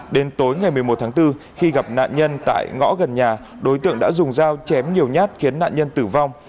đến tối ngày một mươi một tháng bốn khi gặp nạn nhân tại ngõ gần nhà đối tượng đã dùng dao chém nhiều nhát khiến nạn nhân tử vong